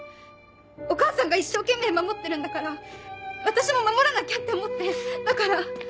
お母さんが一生懸命守ってるんだから私も守らなきゃって思ってだから。